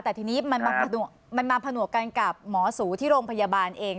แต่ทีนี้มันมาผนวกกันกับหมอสูที่โรงพยาบาลเอง